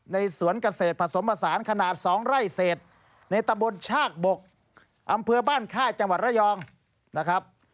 ในสวนเกษตรผสมผสานขนาด๒ไร่เศษในตะบนชากบกอำเภอบ้านค่ายจังหวัดระยองนะครับ